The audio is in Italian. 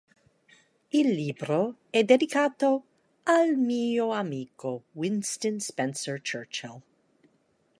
Il libro è dedicato "al mio amico Winston Spencer Churchill".